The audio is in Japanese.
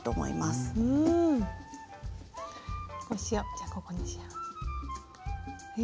じゃあここにしよう。